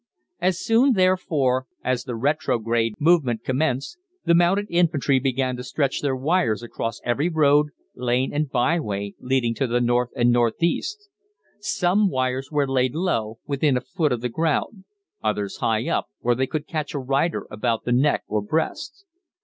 As soon, therefore, as the retrograde movement commenced, the mounted infantry began to stretch their wires across every road, lane and byway leading to the north and north east. Some wires were laid low, within a foot of the ground, others high up, where they could catch a rider about the neck or breast.